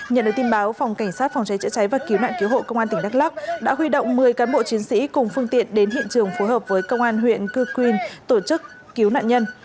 nhận được tin báo phòng cảnh sát phòng cháy chữa cháy và cứu nạn cứu hộ công an tỉnh đắk lắc đã huy động một mươi cán bộ chiến sĩ cùng phương tiện đến hiện trường phối hợp với công an huyện cư quyên tổ chức cứu nạn nhân